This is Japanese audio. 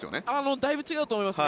だいぶ違うと思いますね。